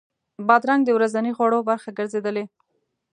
بادرنګ د ورځني خوړو برخه ګرځېدلې.